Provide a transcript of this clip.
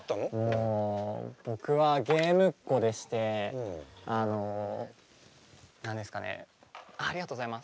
もう僕はゲームっ子でして何ですかねああありがとうございます。